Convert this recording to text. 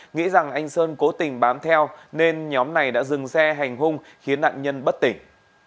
nghĩ rằng anh sơn cố tình bám theo nên nhóm này đã dừng xe hành hung khiến nạn nhân bất tỉnh